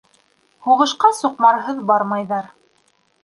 Һуғышҡа суҡмарһыҙ бармайҙар.